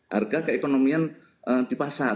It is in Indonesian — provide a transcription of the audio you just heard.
harga keekonomian di pasar